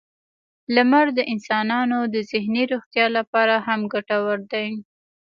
• لمر د انسانانو د ذهني روغتیا لپاره هم ګټور دی.